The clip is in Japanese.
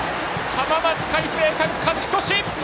浜松開誠館、勝ち越し！